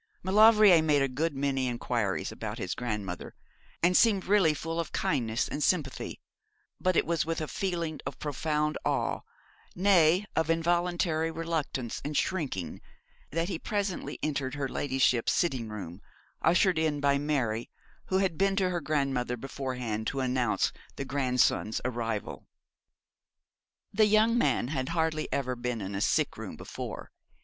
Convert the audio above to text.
Maulevrier made a good many inquiries about his grandmother, and seemed really full of kindness and sympathy; but it was with a feeling of profound awe, nay, of involuntary reluctance and shrinking, that he presently entered her ladyship's sitting room, ushered in by Mary, who had been to her grandmother beforehand to announce the grandson's arrival. The young man had hardly ever been in a sick room before.